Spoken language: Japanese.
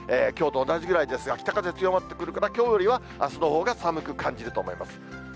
きょうと同じぐらいですが、北風強まってくるから、きょうよりはあすのほうが寒く感じると思います。